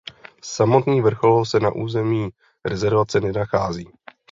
Samotný vrchol se na území rezervace nenachází.